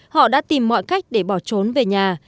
họ đã tìm mọi cách để bỏ trốn về nhà